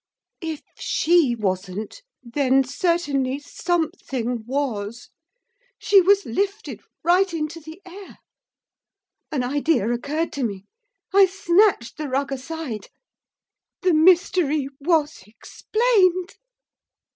If she wasn't, then certainly something was, she was lifted right into the air. An idea occurred to me. I snatched the rug aside. The mystery was explained!